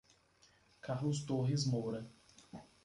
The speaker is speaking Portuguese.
Carlos Torres Moura